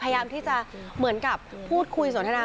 พยายามที่จะเหมือนกับพูดคุยสนทนา